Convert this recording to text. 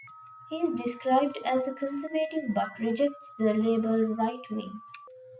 He is described as a conservative but rejects the label "right-wing".